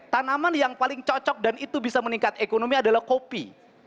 tanaman yang paling cocok dan itu bisa meningkat ekonomi adalah kopi